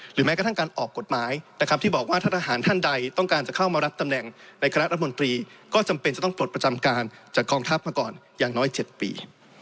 แม้กระทั่งการออกกฎหมายนะครับที่บอกว่าถ้าทหารท่านใดต้องการจะเข้ามารับตำแหน่งในคณะรัฐมนตรีก็จำเป็นจะต้องปลดประจำการจากกองทัพมาก่อนอย่างน้อย๗ปี